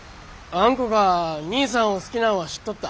あんこが兄さんを好きなんは知っとった。